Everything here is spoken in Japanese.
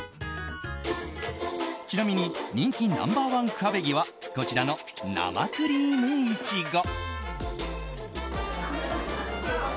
ちなみに人気ナンバーワンクァベギはこちらの生クリームイチゴ。